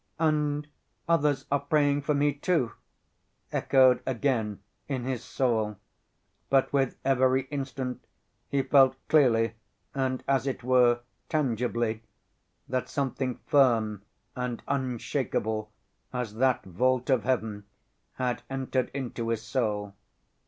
"And others are praying for me too," echoed again in his soul. But with every instant he felt clearly and, as it were, tangibly, that something firm and unshakable as that vault of heaven had entered into his soul.